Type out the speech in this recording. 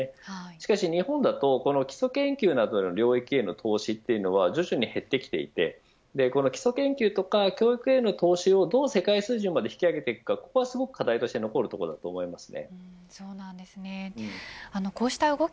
しかし日本だと、この基礎研究などの領域への投資は徐々に減ってきていて基礎研究とか教育への投資をどう世界基準まで引き上げるのかが課題として残るところです。